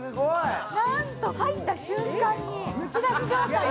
なんと入った瞬間にむき出し状態。